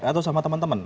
atau sama teman teman